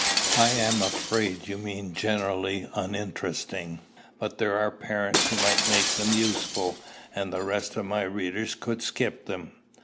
"I am afraid you mean generally uninteresting. But there are parents who might make them useful, and the rest of my readers could skip them."